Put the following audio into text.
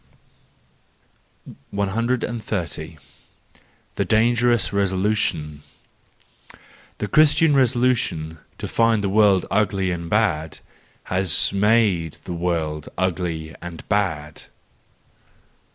130. A Dangerous Resolution .—The Christian resolu¬ tion to find the world ugly and bad has made the world ugly and bad.